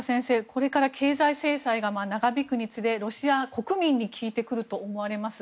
これから経済制裁が長引くにつれ、ロシア国民に効いてくると思われます。